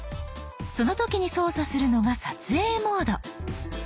その時に操作するのが撮影モード。